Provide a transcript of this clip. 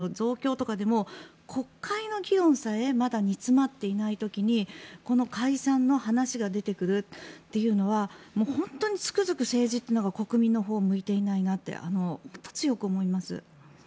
現在、今の状況でも防衛予算の増強とか少子化の予算の増強とかでも国会の議論さえまだ煮詰まっていない時にこの解散の話が出てくるのは本当につくづく政治というのが国民のほうを向いていないなと本当に強く思います。